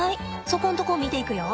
そこんとこ見ていくよ。